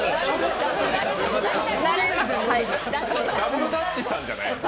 ダブルダッチさんじゃない。